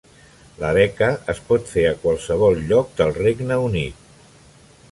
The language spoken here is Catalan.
La beca es pot fer a qualsevol lloc del Regne Unit.